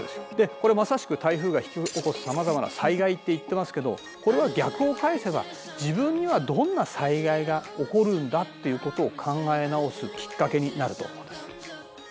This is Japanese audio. これまさしく台風が引き起こすさまざまな災害って言ってますけどこれは逆を返せば自分にはどんな災害が起こるんだっていうことを考え直すきっかけになると思うんです。